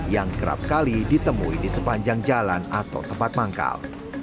yang kerap kali ditemui di sepanjang jalan atau tempat manggal